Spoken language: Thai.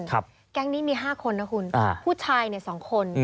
แก๊งนี้มี๕คนนะคุณผู้ชาย๒คน